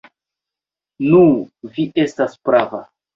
Nu, vi estas prava.